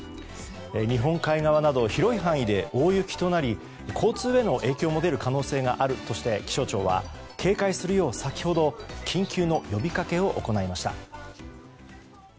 日本海側など広い範囲で大雪となり交通への影響も出る可能性があるとして気象庁は警戒するよう先ほど、緊急の呼びかけを行いました。